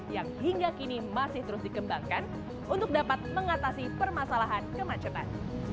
yang hingga kini masih terus dikembangkan untuk dapat mengatasi permasalahan kemacetan